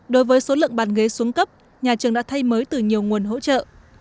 đối với số lượng bàn ghế xuống cấp nhà trường đã thay mới từ nhiều nguồn hỗ trợ